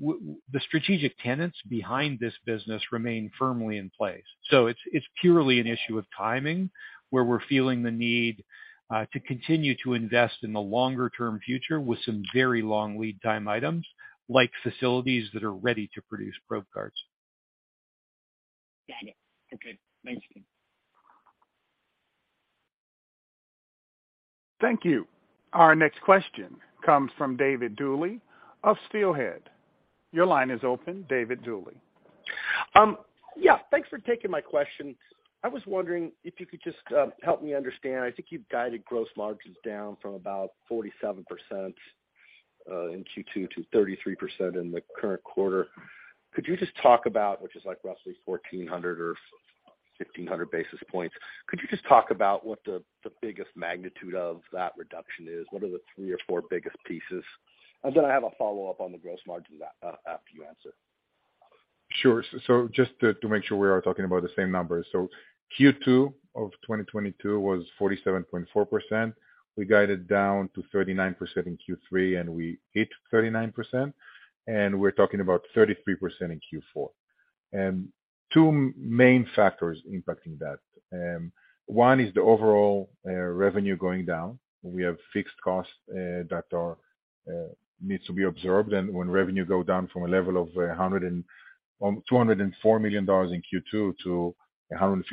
remarks, the strategic tenets behind this business remain firmly in place. It's purely an issue of timing, where we're feeling the need to continue to invest in the longer-term future with some very long lead time items, like facilities that are ready to produce probe cards. Got it. Okay. Thanks. Thank you. Our next question comes from David Duley of Steelhead Securities. Your line is open, David Duley. Yeah, thanks for taking my question. I was wondering if you could just help me understand. I think you've guided gross margins down from about 47% in Q2 to 33% in the current quarter, which is like roughly 1,400 or 1,500 basis points. Could you just talk about what the biggest magnitude of that reduction is? What are the 3 or 4 biggest pieces? And then I have a follow-up on the gross margin after you answer. Sure. Just to make sure we are talking about the same numbers. Q2 of 2022 was 47.4%. We guided down to 39% in Q3, and we hit 39%, and we're talking about 33% in Q4. Two main factors impacting that. One is the overall revenue going down. We have fixed costs that needs to be absorbed. When revenue go down from a level of $204 million in Q2 to $155 million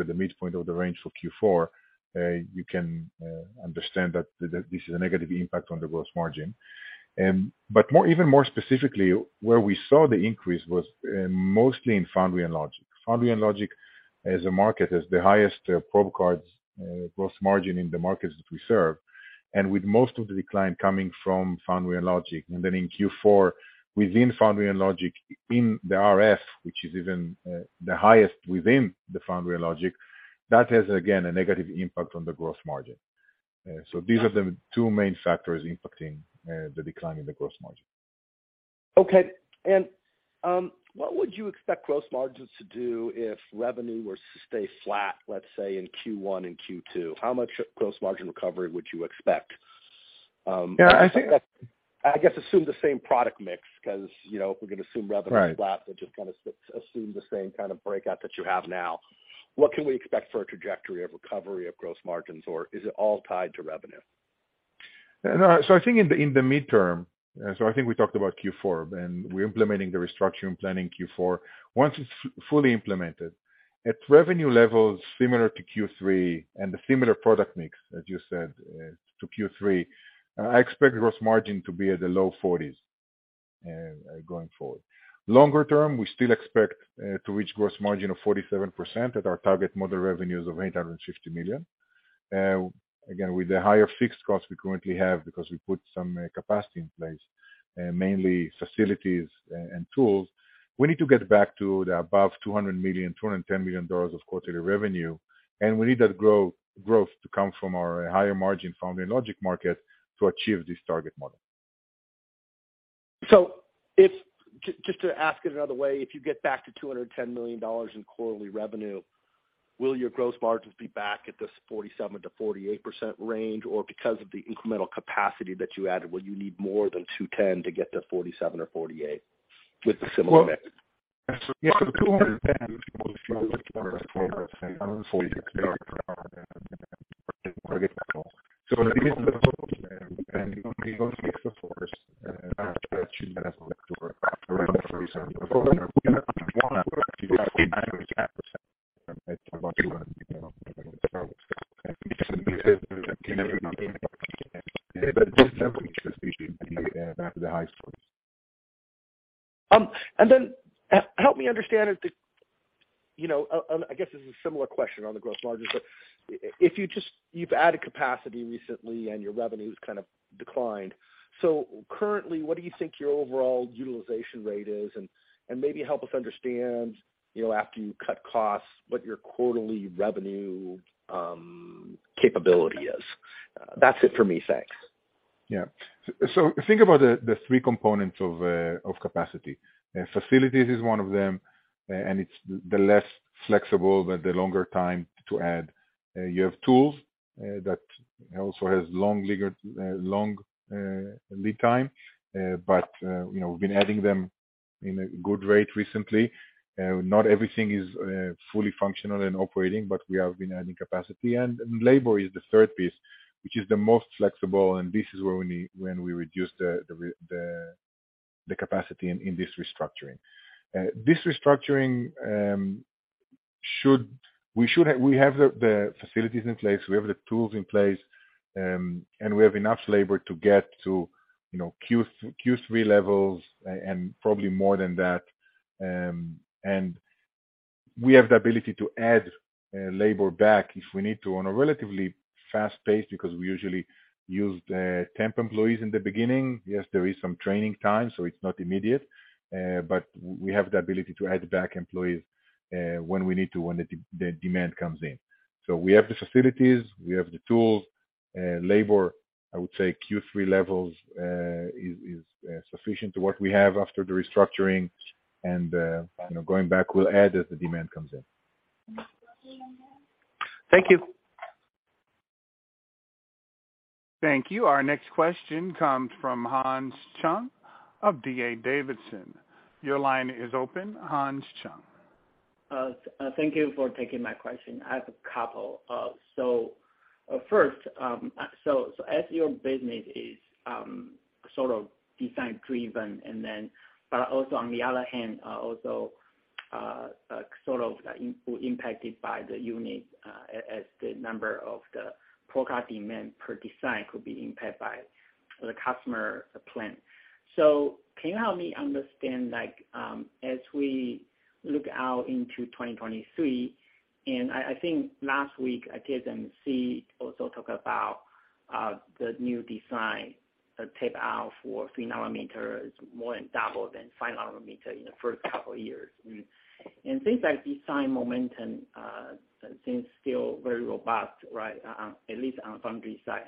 at the midpoint of the range for Q4, you can understand that this is a negative impact on the gross margin. Even more specifically, where we saw the increase was mostly in Foundry and Logic. Foundry and Logic as a market has the highest probe cards gross margin in the markets that we serve, and with most of the decline coming from Foundry and Logic. Then in Q4, within Foundry and Logic in the RF, which is even the highest within the Foundry and Logic, that has, again, a negative impact on the gross margin. These are the two main factors impacting the decline in the gross margin. What would you expect gross margins to do if revenue were to stay flat, let's say in Q1 and Q2? How much gross margin recovery would you expect? Yeah, I think that. I guess assume the same product mix, because, you know, if we're gonna assume revenue is flat. Right. We'll just kind of assume the same kind of breakout that you have now. What can we expect for a trajectory of recovery of gross margins, or is it all tied to revenue? No. I think in the midterm, I think we talked about Q4, and we're implementing the restructuring planning Q4. Once it's fully implemented, at revenue levels similar to Q3 and the similar product mix, as you said, to Q3, I expect gross margin to be at the low 40s%, going forward. Longer term, we still expect to reach gross margin of 47% at our target model revenues of $850 million. Again, with the higher fixed costs we currently have because we put some capacity in place, mainly facilities and tools, we need to get back to above $200 million-$210 million of quarterly revenue, and we need that growth to come from our higher margin Foundry and Logic market to achieve this target model. Just to ask it another way, if you get back to $210 million in quarterly revenue, will your gross margins be back at this 47%-48% range? Or because of the incremental capacity that you added, will you need more than 210 to get to 47%-48% with a similar mix? And then help me understand that, you know, I guess this is a similar question on the gross margins, but you've added capacity recently and your revenue has kind of declined. Currently, what do you think your overall utilization rate is? And maybe help us understand, you know, after you cut costs, what your quarterly revenue capability is. That's it for me. Thanks. Yeah. Think about the three components of capacity. Facilities is one of them, and it's the less flexible, but the longer time to add. You have tools that also has long lead time, but you know, we've been adding them in a good rate recently. Not everything is fully functional and operating, but we have been adding capacity. Labor is the third piece, which is the most flexible, and this is where we need when we reduce the capacity in this restructuring. This restructuring, we have the facilities in place, we have the tools in place, and we have enough labor to get to you know, Q3 levels and probably more than that. We have the ability to add labor back if we need to on a relatively fast pace because we usually use the temp employees in the beginning. Yes, there is some training time, so it's not immediate, but we have the ability to add back employees when we need to, when the demand comes in. We have the facilities, we have the tools, labor, I would say Q3 levels, is sufficient to what we have after the restructuring. You know, going back, we'll add as the demand comes in. Thank you. Thank you. Our next question comes from Hans Chung of D.A. Davidson. Your line is open, Hans Chung. Thank you for taking my question. I have a couple. First, as your business is sort of design-driven and then but also on the other hand, also sort of impacted by the unit, as the number of the probe card demand per design could be impacted by the customer plan. Can you help me understand, like, as we look out into 2023, and I think last week, TSMC also talked about the new design tape out for 3 nanometers more than double than 5 nanometer in the first couple of years. Things like design momentum seems still very robust, right, at least on foundry side.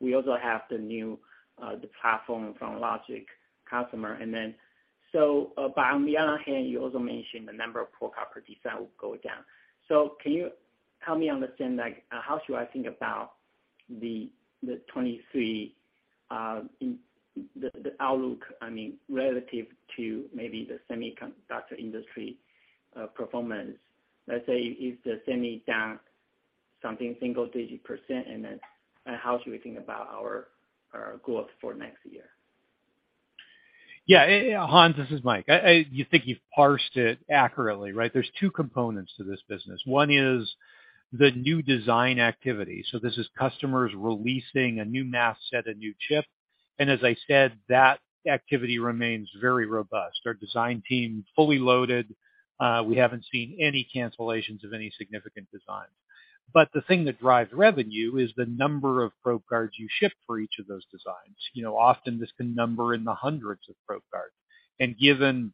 We also have the new platform from logic customer. On the other hand, you also mentioned the number of probe card per design will go down. Can you help me understand, like, how should I think about the 2023 outlook, I mean, relative to maybe the semiconductor industry performance? Let's say if the semi down something single-digit %, and then how should we think about our growth for next year? Yeah. Hans, this is Mike. You think you've parsed it accurately, right? There's two components to this business. One is the new design activity. So this is customers releasing a new mask set, a new chip. As I said, that activity remains very robust. Our design team fully loaded. We haven't seen any cancellations of any significant designs. The thing that drives revenue is the number of probe cards you ship for each of those designs. You know, often this can number in the hundreds of probe cards. Given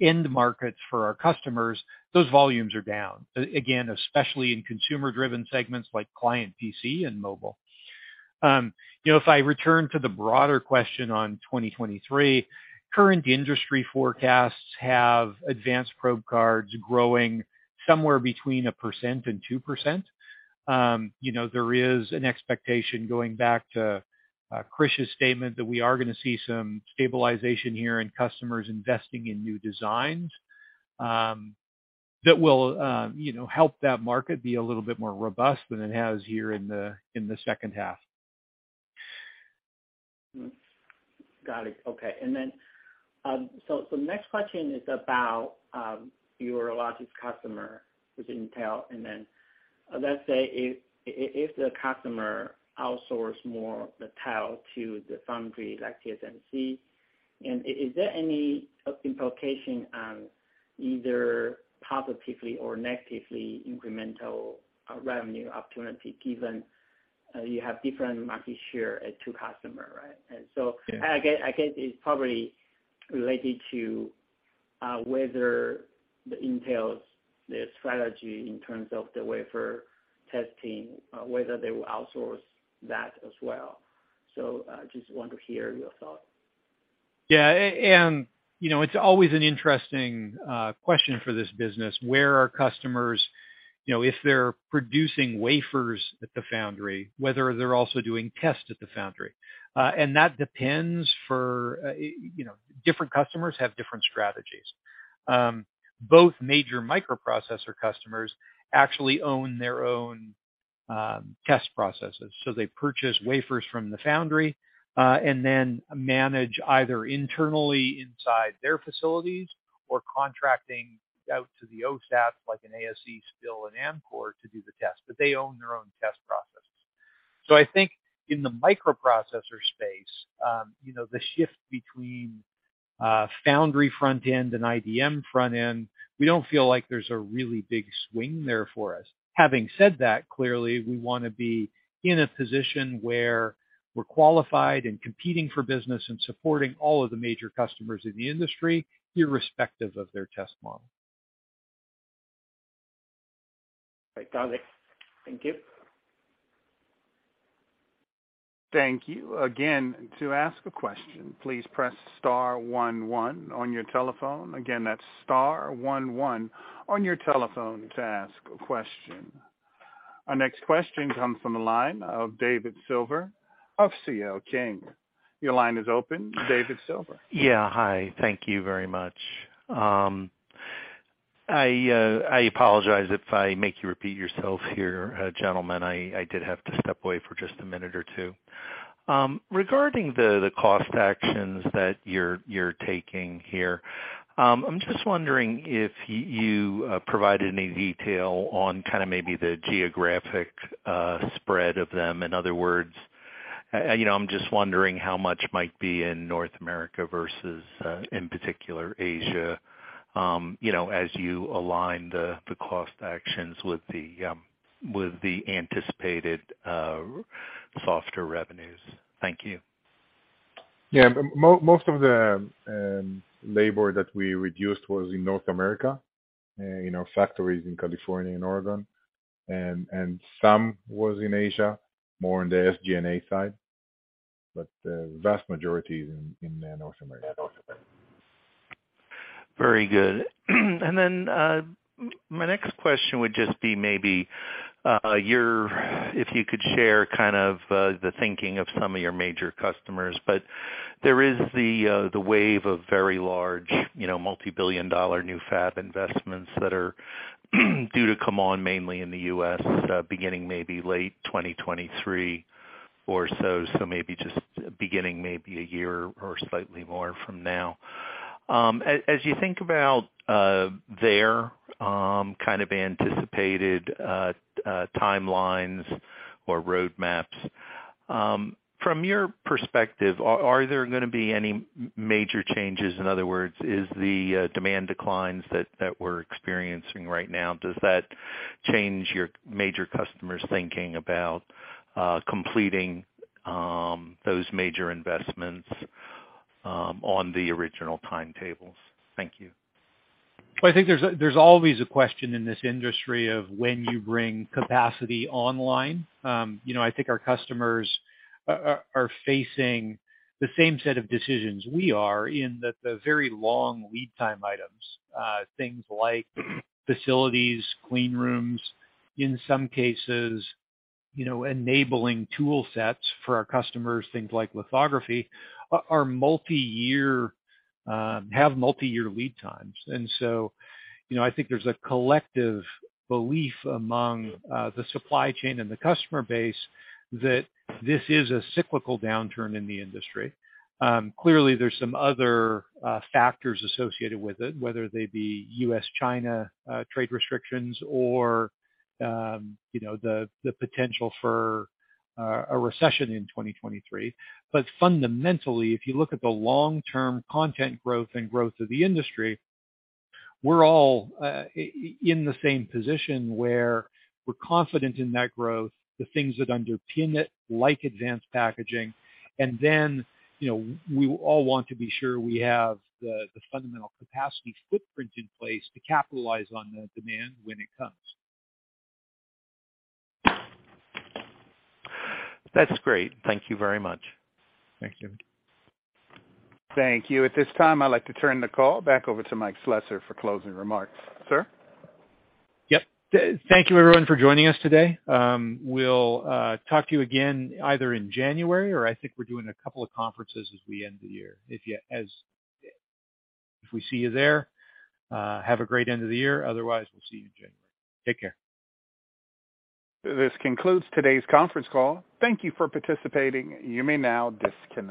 end markets for our customers, those volumes are down, again, especially in consumer-driven segments like client PC and mobile. You know, if I return to the broader question on 2023, current industry forecasts have advanced probe cards growing somewhere between 1% and 2%. You know, there is an expectation, going back to Krish's statement, that we are gonna see some stabilization here in customers investing in new designs, that will you know, help that market be a little bit more robust than it has here in the second half. Got it. Okay. Next question is about your Logic customer with Intel. Let's say if the customer outsource more the tile to the foundry like TSMC, is there any implication on either positively or negatively incremental revenue opportunity given you have different market share at two customer, right? Yeah. I guess it's probably related to whether Intel's their strategy in terms of the wafer testing, whether they will outsource that as well. Just want to hear your thoughts. Yeah. You know, it's always an interesting question for this business, where our customers you know if they're producing wafers at the foundry, whether they're also doing tests at the foundry. That depends on, you know, different customers have different strategies. Both major microprocessor customers actually own their own test processes. They purchase wafers from the foundry and then manage either internally inside their facilities or contracting out to the OSAT, like an ASE, SPIL, and Amkor to do the test, but they own their own test processes. I think in the microprocessor space, you know, the shift between foundry front end and IDM front end, we don't feel like there's a really big swing there for us. Having said that, clearly, we wanna be in a position where we're qualified and competing for business and supporting all of the major customers in the industry, irrespective of their test model. Right, got it. Thank you. Thank you. Again, to ask a question, please press star one one on your telephone. Again, that's star one one on your telephone to ask a question. Our next question comes from the line of David Silver of C.L. King. Your line is open, David Silver. Yeah, hi. Thank you very much. I apologize if I make you repeat yourselves here, gentlemen. I did have to step away for just a minute or two. Regarding the cost actions that you're taking here, I'm just wondering if you provided any detail on kinda maybe the geographic spread of them. In other words, you know, I'm just wondering how much might be in North America versus, in particular Asia, you know, as you align the cost actions with the anticipated softer revenues. Thank you. Yeah. Most of the labor that we reduced was in North America in our factories in California and Oregon. Some was in Asia, more on the SG&A side, but vast majority is in North America. Very good. My next question would just be maybe if you could share kind of the thinking of some of your major customers. There is the wave of very large, you know, multi-billion-dollar new fab investments that are due to come on mainly in the U.S., beginning maybe late 2023 or so maybe just beginning maybe a year or slightly more from now. As you think about their kind of anticipated timelines or roadmaps from your perspective, are there gonna be any major changes? In other words, is the demand declines that we're experiencing right now does that change your major customers' thinking about completing those major investments on the original timetables? Thank you. I think there's always a question in this industry of when you bring capacity online. I think our customers are facing the same set of decisions we are in that the very long lead time items, things like facilities, clean rooms, in some cases, you know, enabling tool sets for our customers, things like lithography, are multi-year, have multi-year lead times. I think there's a collective belief among the supply chain and the customer base that this is a cyclical downturn in the industry. Clearly there's some other factors associated with it, whether they be U.S.-China trade restrictions or, you know, the potential for a recession in 2023. Fundamentally, if you look at the long-term content growth and growth of the industry, we're all in the same position where we're confident in that growth, the things that underpin it, like advanced packaging. You know, we all want to be sure we have the fundamental capacity footprint in place to capitalize on the demand when it comes. That's great. Thank you very much. Thanks, David. Thank you. At this time, I'd like to turn the call back over to Mike Slessor for closing remarks. Sir? Yep. Thank you everyone for joining us today. We'll talk to you again either in January, or I think we're doing a couple of conferences as we end the year. If we see you there, have a great end of the year. Otherwise, we'll see you in January. Take care. This concludes today's conference call. Thank you for participating. You may now disconnect.